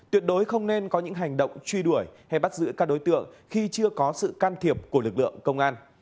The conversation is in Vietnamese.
tuyệt đối không nên có những hành động truy đuổi hay bắt giữ các đối tượng khi chưa có sự can thiệp của lực lượng công an